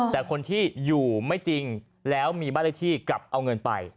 แต่คนที่อยู่ไม่จริงแล้วมีบ้านเลขที่กลับเอาเงินไป